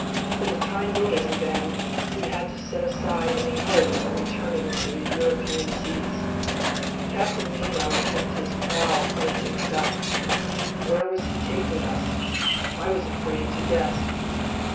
For the time being, then, we had to set aside any hope of returning to European seas. Captain Nemo kept his prow pointing south. Where was he taking us? I was afraid to guess.